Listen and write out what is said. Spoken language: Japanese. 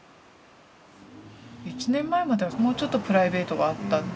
１年前まではもうちょっとプライベートがあった。